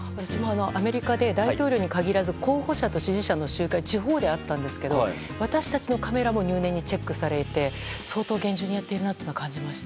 アメリカで大統領に限らず候補者と支持者の集会が地方であったんですが私たちのカメラも入念にチェックされて相当厳重にやっているなと感じました。